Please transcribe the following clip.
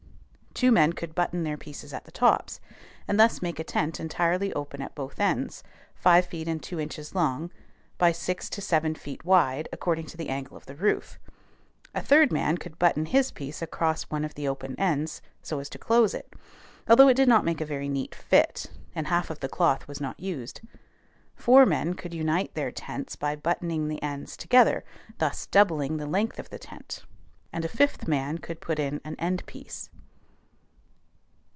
Two men could button their pieces at the tops, and thus make a tent entirely open at both ends, five feet and two inches long, by six to seven feet wide according to the angle of the roof. A third man could button his piece across one of the open ends so as to close it, although it did not make a very neat fit, and half of the cloth was not used; four men could unite their two tents by buttoning the ends together, thus doubling the length of the tent; and a fifth man could put in an end piece.